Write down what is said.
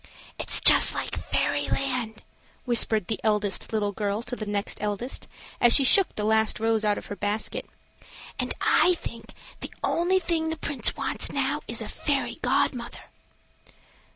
"It's just like fairyland," whispered the eldest little girl to the next eldest, as she shook the last rose out of her basket; "and I think the only thing the Prince wants now is a fairy god mother."